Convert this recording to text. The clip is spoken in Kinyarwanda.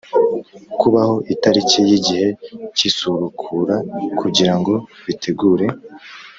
kubaho Itariki y’ igihe cy’ isubukura kugira ngo bitegure